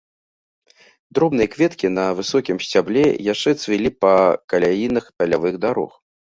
Дробныя кветкі на высокім сцябле яшчэ цвілі па каляінах палявых дарог.